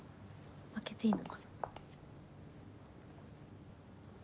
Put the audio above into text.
開けていいのかな？